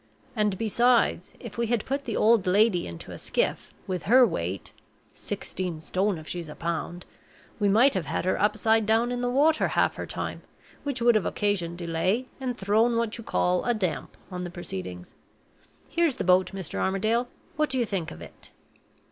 "And, besides, if we had put the old lady into a skiff, with her weight (sixteen stone if she's a pound), we might have had her upside down in the water half her time, which would have occasioned delay, and thrown what you call a damp on the proceedings. Here's the boat, Mr. Armadale. What do you think of it?"